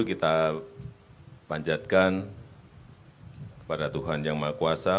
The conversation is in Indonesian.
kita panjatkan kepada tuhan yang maha kuasa